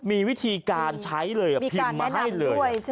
มีวิธีการใช้เลยพิมพ์มาให้เลย